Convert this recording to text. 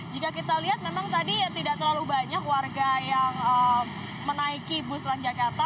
jika kita lihat memang tadi tidak terlalu banyak warga yang menaiki bus transjakarta